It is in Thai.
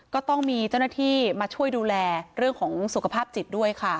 ก็ต้องมีเจ้าหน้าที่มาช่วยดูแลเรื่องของสุขภาพจิตด้วยค่ะ